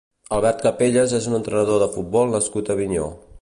Albert Capellas és un entrenador de futbol nascut a Avinyó.